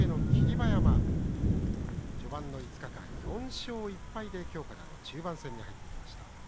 馬山序盤の５日間、４勝１敗で今日からの中盤戦に入ってきました。